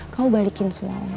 kamu balikin semuanya